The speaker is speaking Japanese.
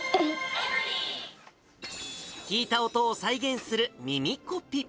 聴いた音を再現する耳コピ。